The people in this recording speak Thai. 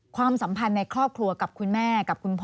ความสัมพันธ์ในครอบครัวกับคุณแม่